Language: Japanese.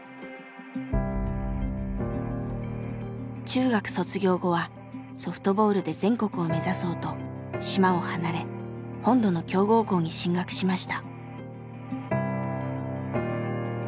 中学卒業後はソフトボールで全国を目指そうと島を離れ本土の強豪校に進学しました。